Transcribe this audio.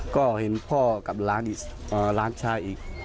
ก็เห็นพ่อกับหลานอีกหลานชายอีก